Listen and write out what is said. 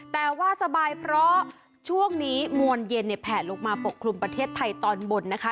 แต่ว่าสบายเพราะช่วงนี้มวลเย็นเนี่ยแผ่ลงมาปกคลุมประเทศไทยตอนบนนะคะ